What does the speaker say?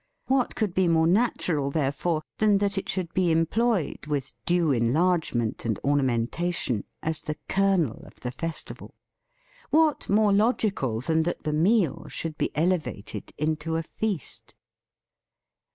What could be more natural, therefore, than that it should be employed, with due enlargement and ornamentation, as the kernel of the festival? What more logical than that the meal should be elevated into a feast?